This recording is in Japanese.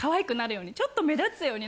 ちょっと目立つように。